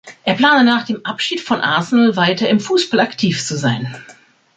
Er plane nach dem Abschied von Arsenal, weiter im Fußball aktiv zu sein.